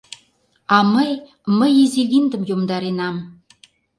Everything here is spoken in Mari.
— А мый, мый изи винтым йомдаренам...